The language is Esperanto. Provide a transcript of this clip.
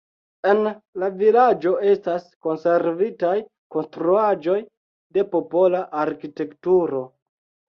En la vilaĝo estas konservitaj konstruaĵoj de popola arkitekturo.